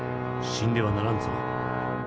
死んではならんぞ。